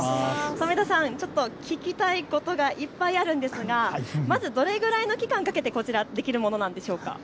冨田さん、聞きたいことがいっぱいあるんですがまずどれぐらいの期間をかけてこちら、できるものなんでしょうか。